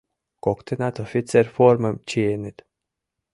Коктынат офицер формым чиеныт.